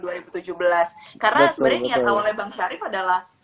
karena sebenarnya niat awalnya bang sharif adalah